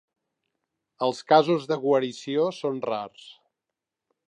Els casos de guarició són rars.